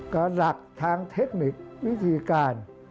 จากทางเทคนิควิธีการ